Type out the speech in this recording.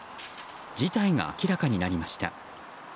事態が明らかになりました。